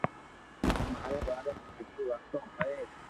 مارا باري ۾ ھاچي واتون ھوئي